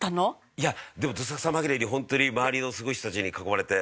いやでもどさくさまぎれにホントに周りのすごい人達に囲まれて。